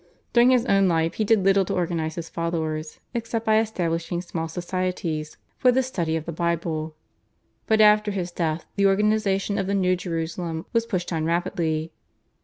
During his own life he did little to organise his followers except by establishing small societies for the study of the Bible, but after his death the organisation of the new Jerusalem was pushed on rapidly.